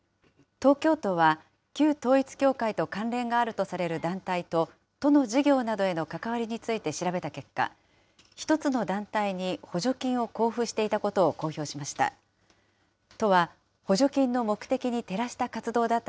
東京都は、旧統一教会と関連があるとされる団体と、都の事業などへの関わりについて調べた結果、１つの団体に補助金を交付していたことを公表しました。